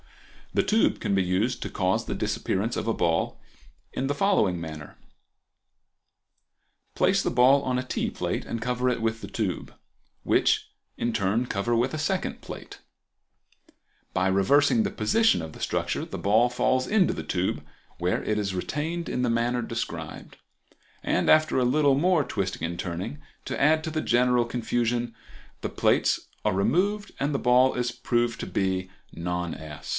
The tube can be used to cause the disappearance of a ball in the following manner:—Place the ball on a tea plate and cover it with the tube, which in turn cover with a second plate. By reversing the position of the structure the ball falls into the tube, where it is retained in the manner described, and after a little more twisting and turning, to add to the general confusion, the plates are removed and the ball is proved to be non est.